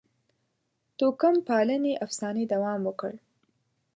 توکم پالنې افسانې دوام وکړ.